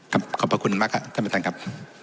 ขอบพระคุณมากครับท่านประธานครับ